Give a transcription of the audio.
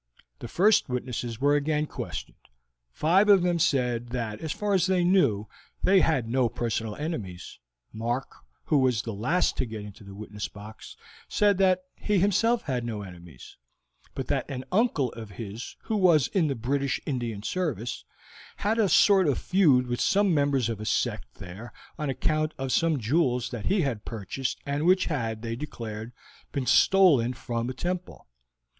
The first witnesses were again questioned; five of them said that, so far as they knew, they had no personal enemies. Mark, who was the last to get into the witness box, said that he himself had no enemies, but that an uncle of his, who was in the British Indian service, had a sort of feud with some members of a sect there on account of some jewels that he had purchased, and which had, they declared, been stolen from a temple.